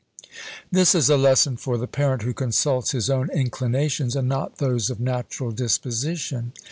This is a lesson for the parent who consults his own inclinations and not those of natural disposition.